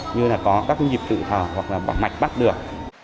như là có các nhịp tự thở hoặc là bắt mạch bắt được